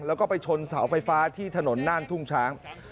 แล้วก็ไปชนเสาไฟฟ้าที่ถนนน่านทุ่งช้าง